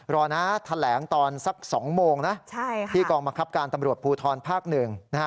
รอนะแถลงตอนสัก๒โมงนะที่กองบังคับการตำรวจภูทรภาคหนึ่งนะฮะ